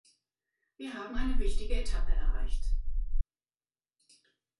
Wir haben eine wichtige Etappe erreicht.